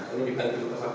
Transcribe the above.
kalau mau dibantu bapak